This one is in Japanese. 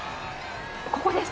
ここです